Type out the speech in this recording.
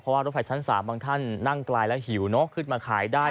เพราะว่ารถไฟชั้น๓บางท่านนั่งไกลแล้วหิวเนอะขึ้นมาขายได้